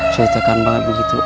juga kan banget begitu